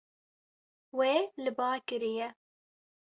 Wê li ba kiriye.